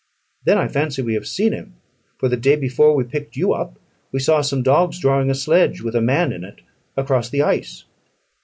"Then I fancy we have seen him; for the day before we picked you up, we saw some dogs drawing a sledge, with a man in it, across the ice."